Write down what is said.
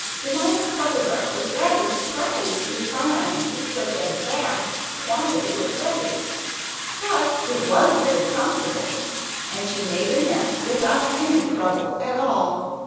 Jemima Puddle duck was rather surprised to find such a vast quantity of feathers. But it was very comfortable; and she made a nest without any trouble at all.